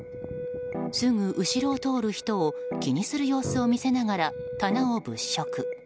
すぐ後ろを通る人を気にする様子を見せながら棚を物色。